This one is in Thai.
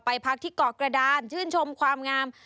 พักที่เกาะกระดานชื่นชมความงาม